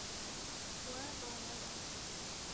We ba neda.